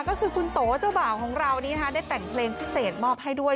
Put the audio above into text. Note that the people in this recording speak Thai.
ก็คือคุณโตเจ้าบ่าวของเรานี้ได้แต่งเพลงพิเศษมอบให้ด้วย